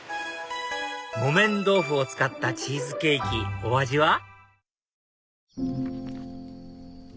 木綿豆腐を使ったチーズケーキお味は？